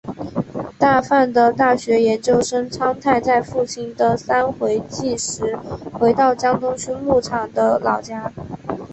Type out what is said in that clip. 大阪的大学研究生苍太在父亲的三回忌时回到江东区木场的老家。